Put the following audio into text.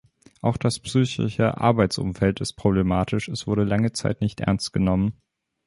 Auch das psychische Arbeitsumfeld ist problematisch, es wurde lange Zeit nicht ernst genommen.